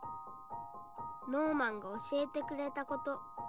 ノーマンが教えてくれたこと。